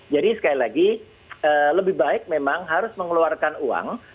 jadi sekali lagi lebih baik memang harus mengeluarkan uang